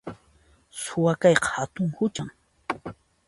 Suwa kayqa hatun huchan